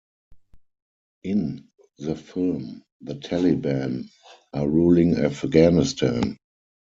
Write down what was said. In the film, the Taliban are ruling Afghanistan.